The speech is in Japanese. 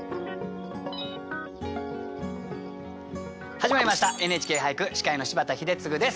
始まりました「ＮＨＫ俳句」司会の柴田英嗣です。